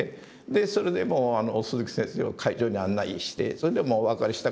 それでもう鈴木先生を会場に案内してもうお別れしたから。